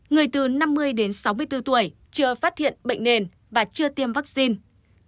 người từ năm mươi đến sáu mươi bốn tuổi chưa phát hiện bệnh nền và chưa tiêm vaccine